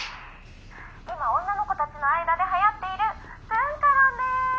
今女の子たちの間ではやっているトゥンカロンです。